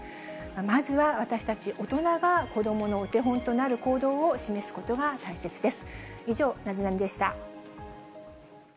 まずは私たち大人が、子どものお手本となる行動を示すことが大切です。